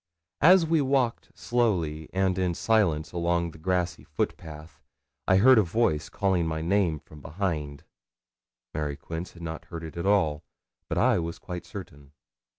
As we walked slowly and in silence along the grassy footpath, I heard a voice calling my name from behind. Mary Quince had not heard it at all, but I was quite certain.